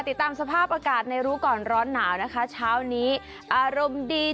ติดตามสภาพอากาศในรู้ก่อนร้อนหนาวนะคะเช้านี้อารมณ์ดี